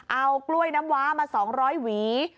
เอากล้วยน้ำว้ามาสองร้อยหวี